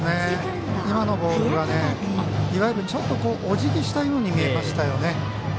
今のボールがちょっとおじぎしたように見えましたよね。